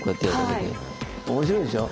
面白いでしょ。